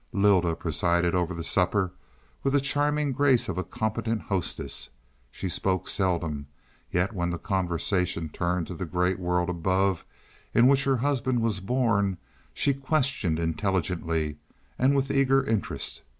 Lylda presided over the supper with the charming grace of a competent hostess. She spoke seldom, yet when the conversation turned to the great world above in which her husband was born, she questioned intelligently and with eager interest.